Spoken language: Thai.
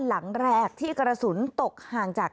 ตไปแล้วก็กระสุนตก